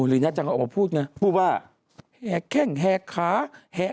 ลีน่าจังเอามาพูดไงพูดว่าแฮกแข้งแฮกค้าแฮก